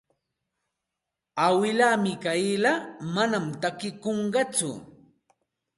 Awilaa Mikayla manam takikunqatsu.